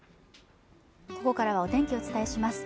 ここからはお天気をお伝えします